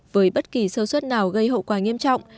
với bất kỳ sơ xuất nào gây hậu quả nghiêm trọng